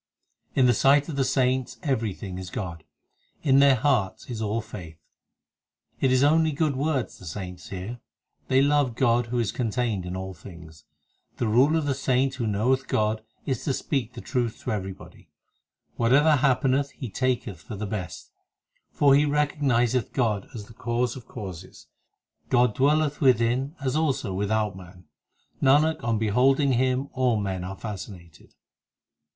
4 In the sight of the saints everything is God ; In their hearts is all faith. It is only good words the saints hear ; They love God who is contained in all things. The rule of the saint who knoweth God is to speak the truth to everybody ; Whatever happeneth he taketh for the best, For he recognizeth God as the Cause of causes. God dwelleth within as also without man ; Nanak, on beholding Him all men are fascinated.